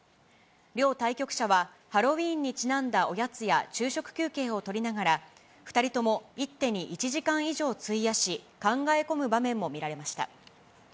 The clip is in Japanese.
両対局者は、ハロウィーンにちなんだおやつや昼食休憩をとりながら、２人とも一手に１時間以上費やし、考え込む場面も見られました。